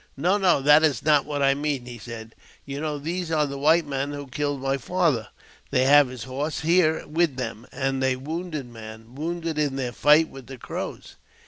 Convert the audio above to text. "No, no, that is not what I mean," he said; "you know these are the white men who killed my father. They have his horse here with them, and a wounded man — wounded in their fight with the Crows."